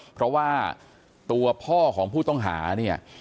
เพราะว่าตัวพ่อของผู้ต้องหาเนี่ย